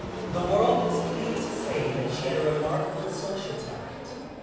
The world was pleased to say that she had a remarkable social talent.